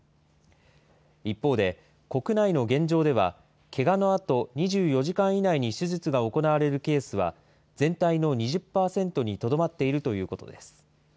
一方で、国内の現状では、けがのあと２４時間以内に手術が行われるケースは、全体の２０％にとどまっているということです。